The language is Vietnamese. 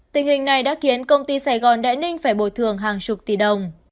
tình hình này đã khiến công ty sài gòn đại ninh phải bồi thường hàng chục tỷ đồng